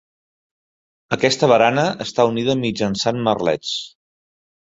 Aquesta barana està unida mitjançant merlets.